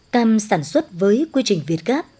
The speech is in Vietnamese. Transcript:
cam sản xuất với quy trình việt gáp